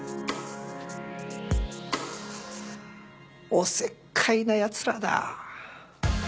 おせっかいな奴らだ。